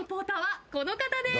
この方です。